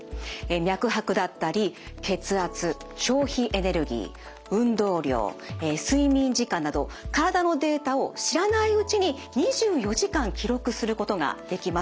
脈拍だったり血圧消費エネルギー運動量睡眠時間など体のデータを知らないうちに２４時間記録することができます。